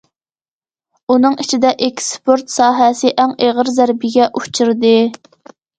ئۇنىڭ ئىچىدە، ئېكسپورت ساھەسى ئەڭ ئېغىر زەربىگە ئۇچرىدى.